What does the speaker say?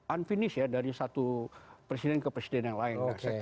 unfinish ya dari satu presiden ke presiden yang lain